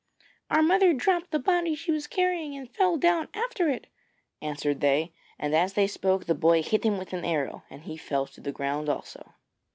'Our mother dropped the body she was carrying and fell down after it,' answered they, and as they spoke the boy hit him with an arrow, and he fell to the ground also.